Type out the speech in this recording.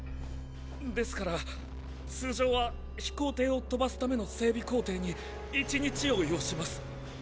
ですから通常は飛行艇を飛ばすための整備工程に一日を要します。